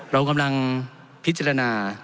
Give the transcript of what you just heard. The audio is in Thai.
เรากำลังพิจารณา